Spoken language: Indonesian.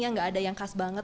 nggak ada yang khas banget